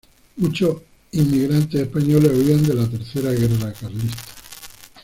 Muchos inmigrantes españoles huían de la Tercera guerra Carlista.